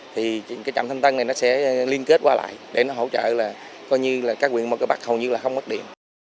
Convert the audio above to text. thì trạm thanh tân này sẽ liên kết qua lại để hỗ trợ các huyện mỏ cầy bắc hầu như không mất điện